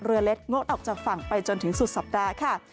เรือเล็กงดออกจากฝั่งไปจนถึงสุดสัปดาห์ค่ะ